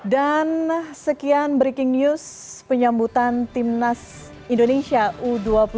dan sekian breaking news penyambutan timnas indonesia u dua puluh dua